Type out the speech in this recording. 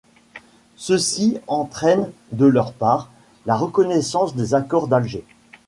Ceci entraîne de leur part, la reconnaissance des accords d'Alger.